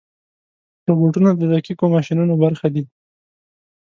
روبوټونه د دقیقو ماشینونو برخه دي.